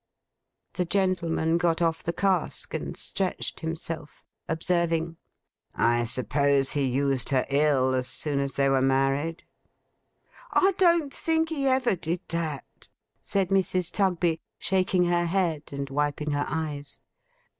The gentleman got off the cask, and stretched himself, observing: 'I suppose he used her ill, as soon as they were married?' 'I don't think he ever did that,' said Mrs. Tugby, shaking her head, and wiping her eyes.